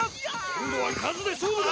今度は数で勝負だ！